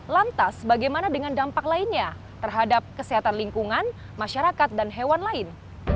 lantas bagaimana dengan dampak lainnya terhadap kesehatan lingkungan masyarakat dan hewan lain